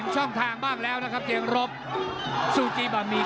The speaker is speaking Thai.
นี่นี่นี่นี่นี่นี่นี่นี่